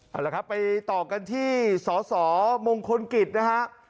เอาละครับไปต่อกันที่สสมงคลกิจนะฮะ